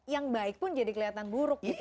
yang baik pun jadi kelihatan buruk gitu